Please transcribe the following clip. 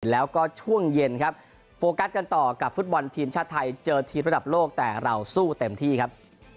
แล้วก็ช่วงเย็นครับโฟกัสกันต่อกับฟุตบอลทีมชาติไทยเจอทีมระดับโลกแต่เราสู้เต็มที่ครับ